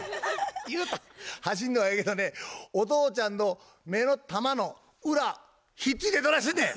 勇太走んのはええけどねお父ちゃんの目の玉の裏ひっついてどないすんねん。